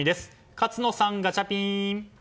勝野さん、ガチャピン。